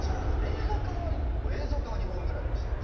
映画化は映像化は２本ぐらいして。